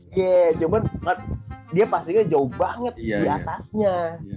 cuman dia passingnya jauh banget di atasnya